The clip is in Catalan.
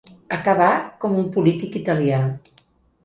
Acabà com un polític italià.